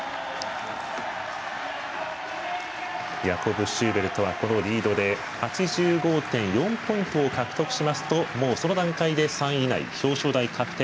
ヤコブ・シューベルトはこのリードで８５．４ポイントを獲得しますともう、その段階で３位以内表彰台確定。